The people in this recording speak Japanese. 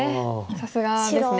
さすがですね。